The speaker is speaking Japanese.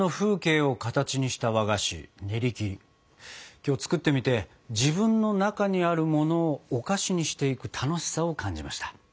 今日作ってみて自分の中にあるものをお菓子にしていく楽しさを感じました。